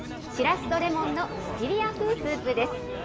しらすとレモンのシチリア風スープです。